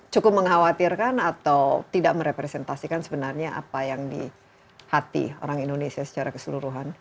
cukup mengkhawatirkan atau tidak merepresentasikan sebenarnya apa yang di hati orang indonesia secara keseluruhan